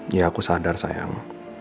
ya aku sadar sayang